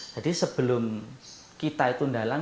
jadi sebelum kita itu dalang